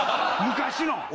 昔の。